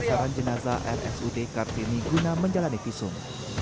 pencarian jenazah rsud kartini guna menjalani visum